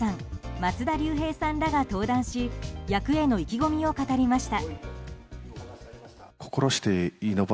松田龍平さんらが登壇し役への意気込みを語りました。